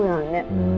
うん。